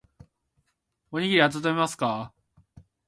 おにぎりあたためますか